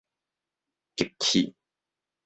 革去